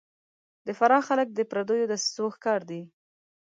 د فراه خلک د پردیو دسیسو ښکار دي